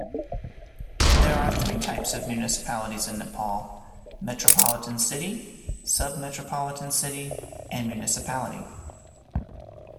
There are three types of municipalities in Nepal, metropolitan city, sub-metropolitan city and municipality.